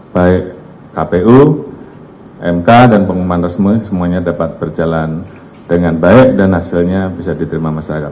baik kpu mk dan pengumuman resmi semuanya dapat berjalan dengan baik dan hasilnya bisa diterima masyarakat